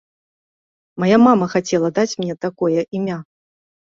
Мая мама хацела даць мне такое імя.